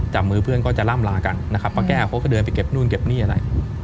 จับมือเพื่อนก็จะล่ำลากันนะครับป้าแก้วเขาก็เดินไปเก็บนู่นเก็บนี่อะไร